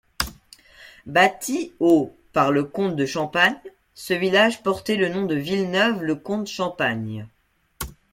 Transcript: Bâti au par le comte de Champagne, ce village portait le nom de Ville-Neuve-le-Comte-Champagne.